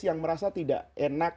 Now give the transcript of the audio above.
yang merasa tidak enak